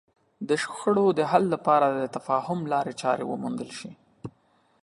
د شخړو د حل لپاره د تفاهم لارې چارې وموندل شي.